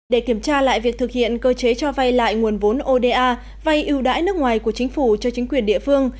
để kiểm tra lại việc thực hiện cơ chế cho vay lại nguồn vốn oda vay ưu đãi nước ngoài của chính phủ cho chính quyền địa phương